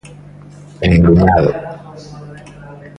Engruñado.